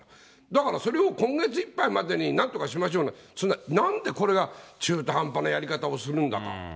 だからそれを今月いっぱいまでになんとかしましょうなんて、なんでこんな中途半端なことをするんだろう。